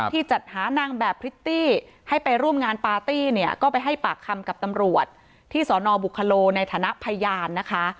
จัดหานางแบบพริตตี้ให้ไปร่วมงานปาร์ตี้เนี่ยก็ไปให้ปากคำกับตำรวจที่สนบุคโลในฐานะพยานนะคะ